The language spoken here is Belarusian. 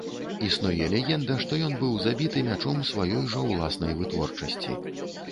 Існуе легенда, што ён быў забіты мячом сваёй жа ўласнай вытворчасці.